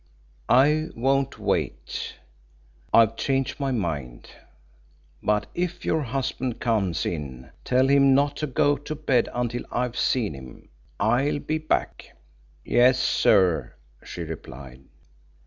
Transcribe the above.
"I won't wait I've changed my mind. But if your husband comes in tell him not to go to bed until I've seen him. I'll be back." "Yes, sir," she replied.